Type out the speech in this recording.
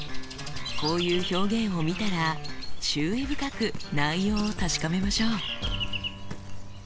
こういう表現を見たら注意深く内容を確かめましょう。